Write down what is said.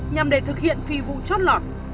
nhằm để thực hiện phi vụ chót lọt